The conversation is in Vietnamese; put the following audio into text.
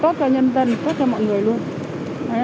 tốt cho nhân dân tốt cho mọi người luôn